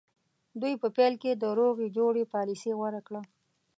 دوی په پیل کې د روغې جوړې پالیسي غوره کړه.